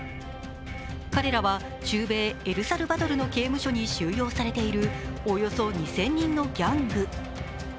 彼らは中米エルサルバドルの刑務所に収容されているおよそ２０００人のギャング。